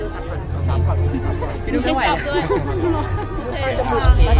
เธอต้องลองคุมแล้ว